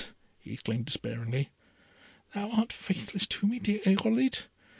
he exclaimed, despairingly, "Thou art faithless to me, dear Irolite!